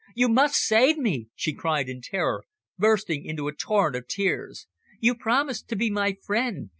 You must save me!" she cried in terror, bursting into a torrent of tears. "You promised to be my friend.